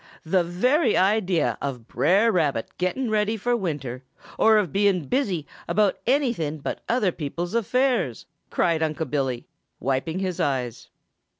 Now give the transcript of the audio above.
"The very idea of Brer Rabbit getting ready for winter or of being busy about anything but other people's affairs!" cried Unc' Billy, wiping his eyes.